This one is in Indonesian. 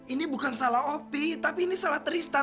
ini bukan salah opi tapi ini salah tristan